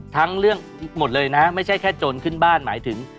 ทั้งเรื่องหมดเลยนะไม่ใช่แค่โจรขึ้นบ้านหมายถึง